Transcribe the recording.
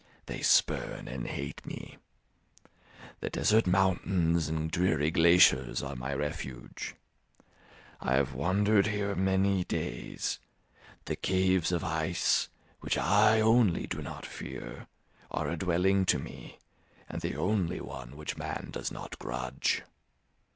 They spurn and hate me. The desert mountains and dreary glaciers are my refuge. I have wandered here many days; the caves of ice, which I only do not fear, are a dwelling to me, and the only one which man does not grudge.